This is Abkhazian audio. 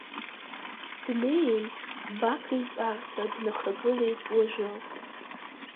Днеин, Бақа итәарҭа днахагылеит уажәы.